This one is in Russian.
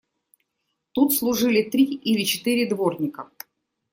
Тут служили три или четыре дворника.